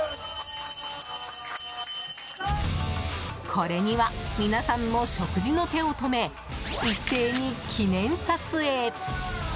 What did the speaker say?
これには皆さんも食事の手を止め一斉に記念撮影。